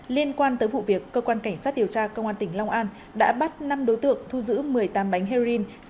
liên quan tới vụ việc cơ quan cảnh sát điều tra công an tỉnh long an đã bắt năm đối tượng thu giữ một mươi tám bánh heroin